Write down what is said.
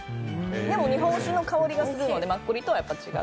でも、日本酒の香りがするのでマッコリとはやっぱり違う。